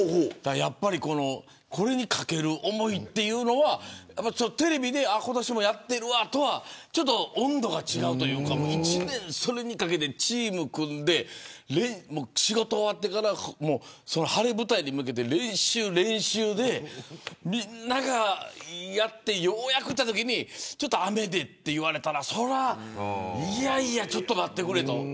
やっぱりこれに懸ける思いというのはテレビで今年もやってるわとはちょっと温度が違うというか１年それにかけてチームを組んで仕事が終わってから晴れ舞台に向けて練習、練習でみんながやってようやくというときに雨で、と言われたらそれはちょっと待ってくれと。